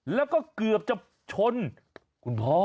แล้วก็เกือบจะชนคุณพ่อ